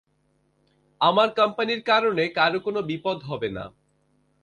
আমার কোম্পানির কারণে কারো কোন বিপদহবে না।